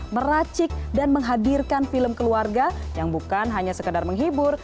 meracik dan menghadirkan film keluarga yang bukan hanya sekedar menghibur